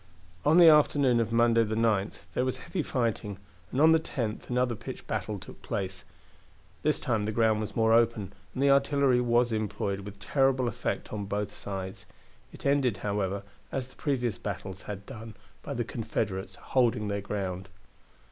On the afternoon of Monday, the 9th, there was heavy fighting and on the 10th another pitched battle took place. This time the ground was more open, and the artillery was employed with terrible effect on both sides. It ended, however, as the previous battles had done, by the Confederates holding their ground.